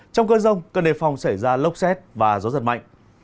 trong cơn rông cơn đề phong xảy ra lốc xét và gió giật mạnh